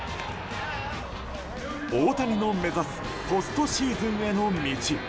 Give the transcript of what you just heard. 大谷の目指すポストシーズンへの道。